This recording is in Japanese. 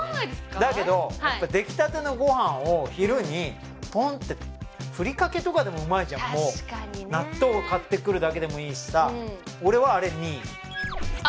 だけどやっぱ出来たてのご飯を昼にポンってふりかけとかでもうまいじゃんもう納豆を買ってくるだけでもいいしさ俺はあれ２位ああ